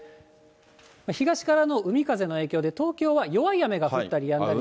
東からの海風の影響で東京は弱い雨が降ったりやんだりで。